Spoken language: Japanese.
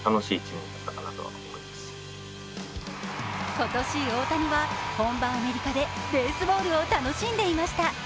今年、大谷は本場アメリカでベースボールを楽しんでいました。